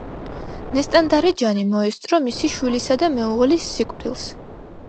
ნესტან-დარეჯანი მოესწრო მისი შვილისა და მეუღლის სიკვდილს.